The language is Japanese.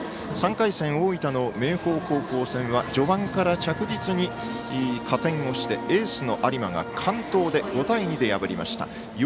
３回戦、大分、明豊高校戦は序盤から着実に加点をしてエースの有馬が完投で５対２で破りました。